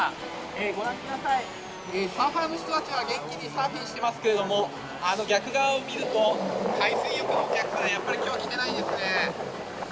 ご覧ください、サーファーの人たちは元気にサーフィンしてますけれども、あの逆側を見ると、海水浴のお客さんはやっぱり、きょうは来てないですね。